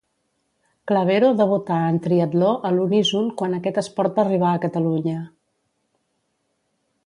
Clavero debutà en triatló a l'uníson quan aquest esport va arribar a Catalunya.